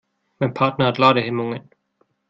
Mein Partner hat Ladehemmungen.